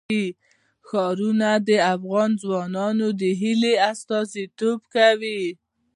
ښارونه د افغان ځوانانو د هیلو استازیتوب کوي.